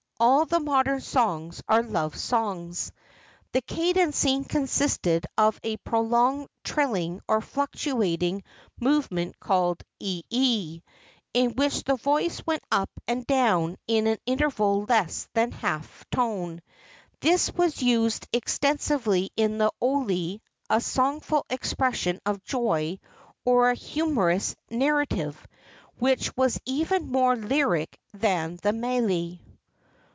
—All the modern songs are love songs.— The cadencing consisted of a prolonged trilling or fluctuating movement called i i, in which the voice went up and down in an interval less than a half tone. This was used ex¬ tensively in the oli (a songful expression of joy, or a humorous narrative), which was even more lyric than the mele.